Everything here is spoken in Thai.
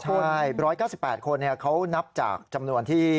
ใช่๑๙๘คนเนี่ยเค้านับจากจำนวนที่